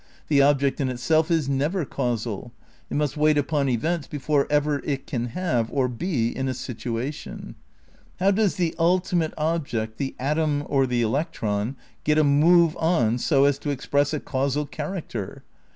The object in itself is never causal. It must wait upon events before ever it can have or be in a " situation. '' How does the ulti mate object, the atom or the electron, get a move on so as to express a causal character?